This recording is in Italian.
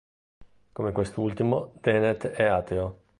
Come quest'ultimo, Dennett è ateo.